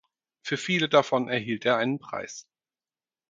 Für viele davon erhielt er einen Preis.